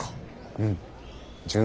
うん。